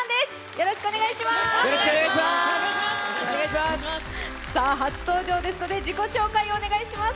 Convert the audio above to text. よろしくお願いします！